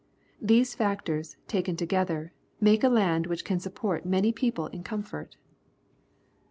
These factors, taken to gether, make a land which can support many people in comfort.